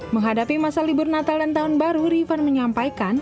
menghadapi masa libur natal dan tahun baru rifan menyampaikan